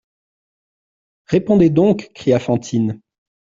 Répondez donc ! cria Fantine.